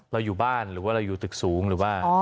เราอยู่บ้านหรือว่าเราอยู่ตึกสูงหรือว่า